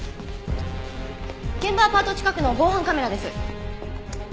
現場アパート近くの防犯カメラです。